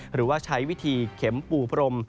หรือว่าใช้วิธีเข็มปูพรม